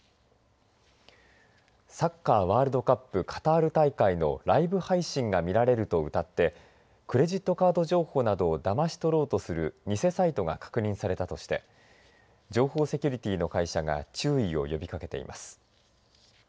サッカーワールドカップカタール大会のライブ配信が見られるとうたってクレジットカード情報などをだまし取ろうとする偽サイトが確認されたとして情報セキュリティーの会社が注意を呼びかけています。